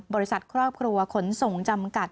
บริษัทครอบครัวขนส่งจำกัด